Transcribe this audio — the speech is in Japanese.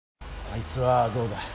あいつはどうだ？